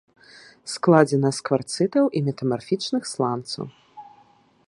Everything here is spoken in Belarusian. Складзена з кварцытаў і метамарфічных сланцаў.